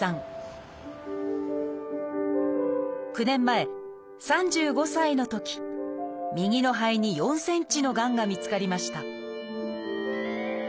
９年前３５歳のとき右の肺に４ｃｍのがんが見つかりました